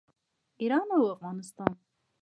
ایران او افغانستان.